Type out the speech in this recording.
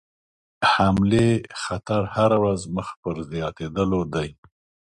حملې خطر هره ورځ مخ پر زیاتېدلو دی.